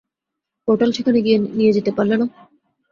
Portal সেখানে নিয়ে যেতে পারলে না?